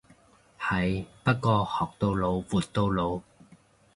係，不過學到老活到老。